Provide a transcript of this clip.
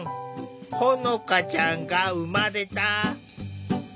ほのかちゃんが生まれた。